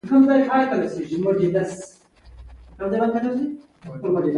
د لیک له لارې انسان نه هېرېږي.